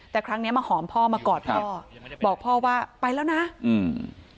แต่ครั้งเนี้ยมาหอมพ่อมากอดพ่อบอกพ่อว่าไปแล้วนะอืม